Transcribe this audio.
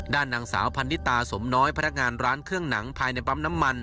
ด้านนางสาวพันนิตาสมน้อยพนักงานร้านเครื่องหนังภายในปั๊มน้ำมัน